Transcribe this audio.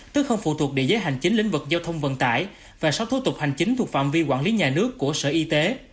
tức không phụ thuộc địa giới hành chính lĩnh vực giao thông vận tải và sáu thô tục hành chính thuộc phạm vi quản lý nhà nước của sở y tế